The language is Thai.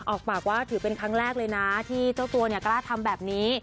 ออกปากว่าถือเป็นครั้งแรกเลยนะที่เจ้าตัวเนี่ยกล้าทำแบบนี้